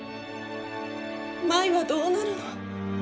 麻衣はどうなるの？